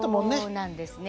そうなんですね。